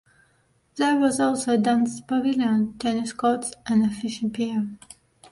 There was also a dance pavilion, tennis courts and a fishing pier.